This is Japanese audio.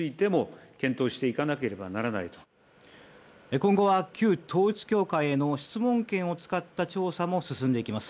今後は旧統一教会への質問権を使った調査も進んでいきます。